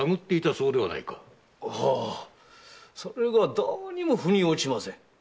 はあそれがどうにも腑に落ちません。